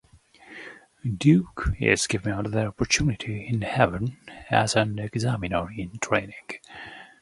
Duke is given another opportunity in Heaven, as an Examiner-in-training.